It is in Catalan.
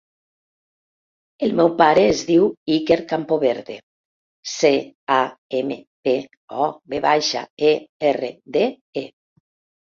El meu pare es diu Iker Campoverde: ce, a, ema, pe, o, ve baixa, e, erra, de, e.